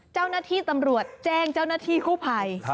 เจ้าหน้าที่ตำรวจแจ้งเจ้าหน้าที่กู้ภัย